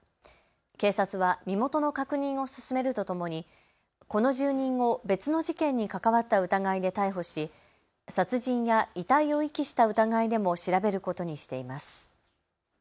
警察は身元の確認を進めるとともにこの住人を別の事件に関わった疑いで逮捕し殺人や遺体を遺棄した疑いでも調べることにしています。